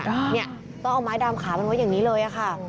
ต้องเอาไม้ดำขามันไว้อย่างนี้เลย